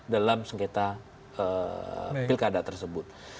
dalam sengketa pilkada tersebut